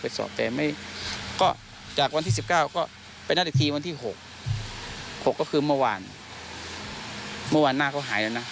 แล้วก็ไปนั่นอีกทีวันที่หกหกก็คือเมื่อวานเมื่อวานหน้าเขาหายแล้วนะ